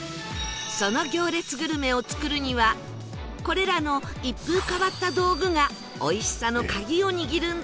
その行列グルメを作るにはこれらの一風変わった道具がおいしさの鍵を握るんだそう